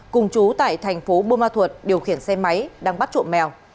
cùng chú tại thành phố bùa ma thuột điều khiển xe máy đang bắt trộm mèo